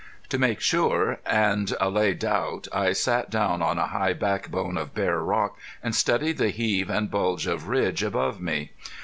To make sure, and allay doubt, I sat down on a high backbone of bare rock and studied the heave and bulge of ridge above me.